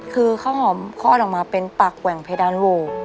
คือข้าวหอมคลอดออกมาเป็นปากแหว่งเพดานโหว